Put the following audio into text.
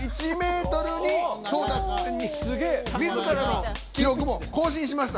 自らの記録も更新しました。